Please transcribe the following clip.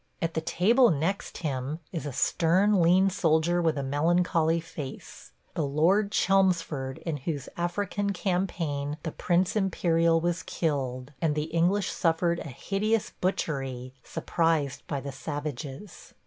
At the table next him is a stern, lean soldier with a melancholy face – the Lord Chelmsford in whose African campaign the Prince Imperial was killed and the English suffered a hideous butchery, surprised by the savages.